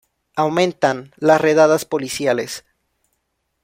Aumentan las redadas policiales.